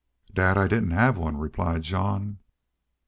"Dad, I didn't have one," replied Jean.